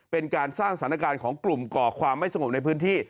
เป็นการสร้างสถานการณ์ของกลุ่มก่อความไม่สงบในพื้นที่